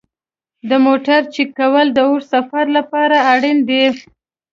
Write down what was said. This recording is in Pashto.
د موټر چک کول د اوږده سفر لپاره اړین دي.